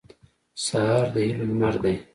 سهار د هیلو لمر دی.